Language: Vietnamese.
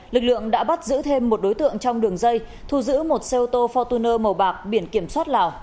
lực lượng đã bắt giữ thêm một đối tượng trong đường dây thu giữ một xe ô tô fortuner màu bạc biển kiểm soát lào